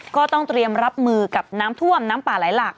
ก็ต้องเตรียมรับมือกับน้ำท่วมน้ำป่าไหลหลาก